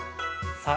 さあ